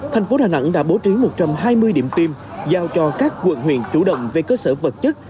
thành phố đà nẵng đã bố trí một trăm hai mươi điểm tiêm giao cho các quận huyện chủ động về cơ sở vật chất